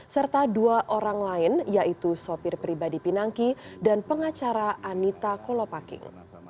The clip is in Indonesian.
serta dua orang lain yaitu sopir pribadi pinangki dan pengacara anita kolopaking